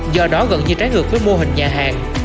do đó gần như trái ngược với mô hình nhà hàng